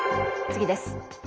次です。